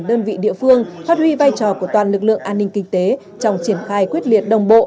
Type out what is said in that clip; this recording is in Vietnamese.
đơn vị địa phương phát huy vai trò của toàn lực lượng an ninh kinh tế trong triển khai quyết liệt đồng bộ